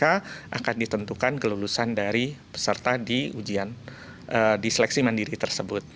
akan ditentukan kelulusan dari peserta di seleksi mandiri tersebut